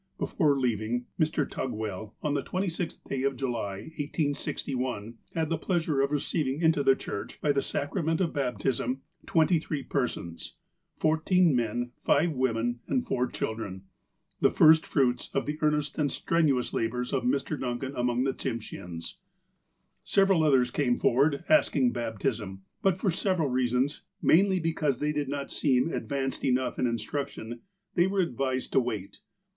Before leaving, Mr. Tugwell, on the 26th day of July, 1861, had the pleasure of receiving into the church, by the sacrament of baptism, twenty three persons, fourteen men, five women, and four children — the first fruits of the earnest and strenuous labours of Mr. Duncan among the Tsimsheans. Several others came forward, asking baptism, but, for several reasons, mainly because they did not seem ad vanced enough in instruction, they were advised to wait.